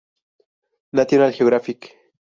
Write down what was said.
National Geographic